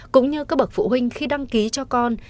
cũng như các bậc phụ huynh khi đăng ký cho con